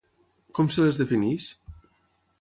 Com se les defineix?